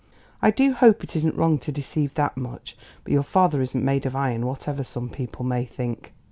I do hope it isn't wrong to deceive that much; but your father isn't made of iron, whatever some people may think."